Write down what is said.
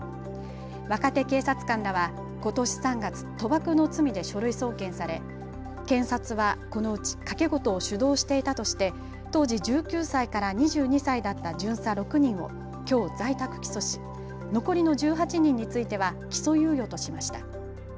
若手警察官らはことし３月、賭博の罪で書類送検され検察はこのうち賭け事を主導していたとして当時１９歳から２２歳だった巡査６人をきょう在宅起訴し残りの１８人については起訴猶予としました。